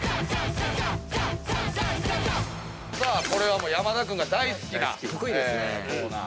さあこれは山田君が大好きな。